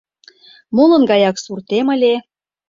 Молын гаяк суртем ыле -